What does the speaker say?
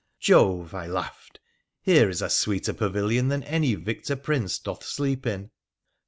' Jove !' I laughed, ' here is a sweeter pavilion than any victor prince doth sleep in